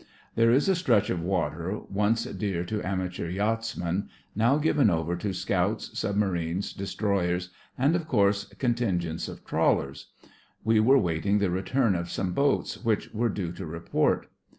There is a stretch of water, once dear to amateur yachtsmen, now given over to scouts, submarines, destroyers, and, of course, contingents of trawlers. We were waiting the return of some boats which were due to report.